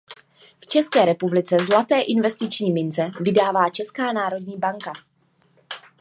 V České republice zlaté investiční mince vydává Česká národní banka.